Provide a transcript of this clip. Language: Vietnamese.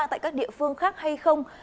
tại các địa phương khác hay không